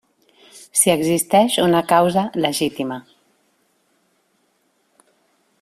Si existeix una causa legítima.